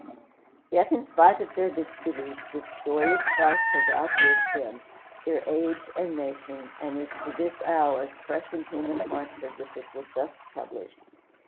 Yet in spite of their disbelief, this story of Christ has outlived them, their age and nation, and is to this hour as fresh in human hearts as if it were just published.